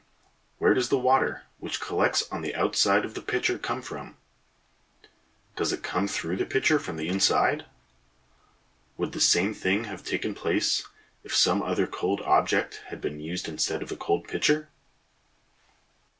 Where does the water which collects on the outside of the pitcher come from? Does it come through the pitcher from the inside? Would the same thing have taken place if some other cold object had been used instead of a cold pitcher?